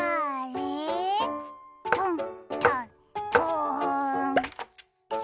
トントントーン。